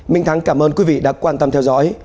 mình thẳng cảm ơn quý vị đã quan tâm theo dõi